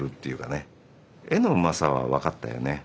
絵のうまさは分かったよね。